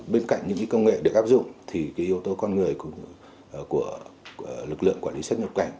bên cạnh những công nghệ được áp dụng thì yếu tố con người của lực lượng quản lý xuất nhập cảnh